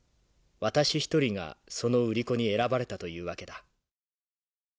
私一人がその売り子に選ばれたという訳だ。